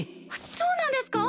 そうなんですか！